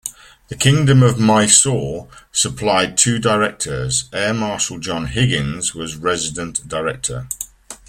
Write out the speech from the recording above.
The Kingdom of Mysore supplied two directors, Air Marshal John Higgins was resident director.